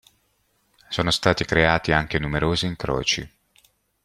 Sono stati creati anche numerosi incroci.